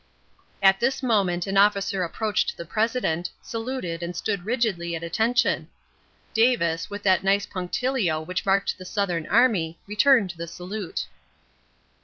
At this moment an officer approached the President, saluted and stood rigidly at attention. Davis, with that nice punctilio which marked the Southern army, returned the salute.